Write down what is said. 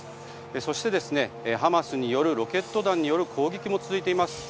そして、ハマスによるロケット弾による攻撃も続いています。